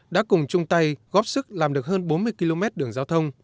đã cùng chung tay góp sức làm được hơn bốn mươi km đường giao thông